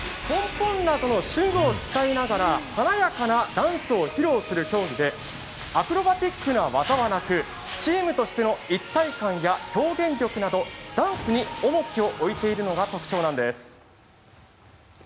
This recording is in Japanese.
ポンポンなどの手具を使いながら華やかなダンスを披露するものでアクロバティックな技はなくチームとしての一体感や表現力などダンスに重きを置いているのが特徴なんです。